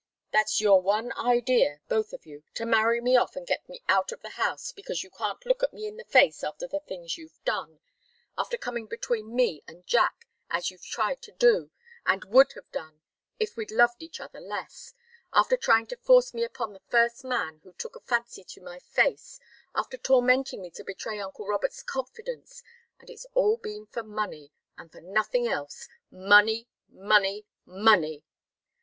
That's your one idea both of you to marry me off and get me out of the house, because you can't look me in the face after the things you've done after coming between me and Jack, as you've tried to do, and would have done, if we'd loved each other less after trying to force me upon the first man who took a fancy to my face after tormenting me to betray uncle Robert's confidence and it's all been for money, and for nothing else. Money, money, money!"